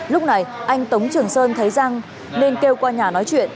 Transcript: lúc này anh tống trường sơn thấy giang nên kêu qua nhà nói chuyện